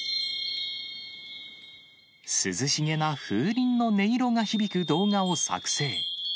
涼しげな風鈴の音色が響く動画を作成。